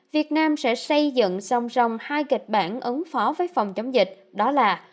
việt nam sẽ xây dựng song song hai kịch bản ứng phó với phòng chống dịch đó là